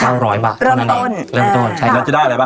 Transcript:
แล้วจะได้อะไรบ้างครับ